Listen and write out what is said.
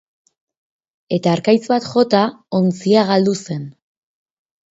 Eta harkaitz bat jota, ontzia galdu zen.